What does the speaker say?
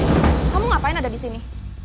kamu ngapain ada di sini